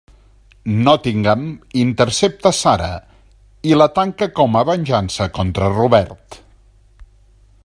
Nottingham intercepta Sara i la tanca, com a venjança contra Robert.